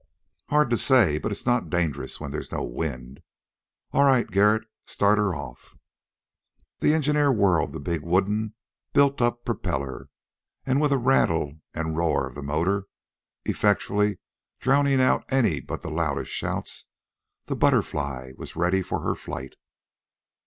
"Hard to say, but it's not dangerous when there's no wind. All right, Garret. Start her off." The engineer whirled the big wooden, built up propeller, and with a rattle and roar of the motor, effectually drowning any but the loudest shouts, the BUTTERFLY was ready for her flight.